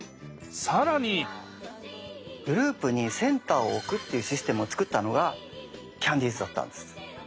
更にグループにセンターを置くっていうシステムを作ったのがキャンディーズだったんです。